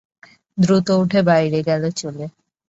দ্রুত উঠে বাইরে গেল চলে।